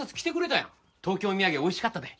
東京土産美味しかったで。